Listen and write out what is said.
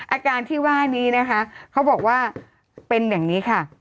อาการที่ว่านี้นะคะเขาบอกว่าเป็นอย่างนี้ค่ะ